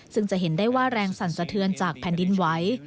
ซึ่งจะเห็นได้ว่าแรงสั่นสะเทือนจากแผ่นดินไหว